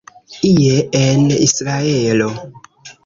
Ie en Israelo.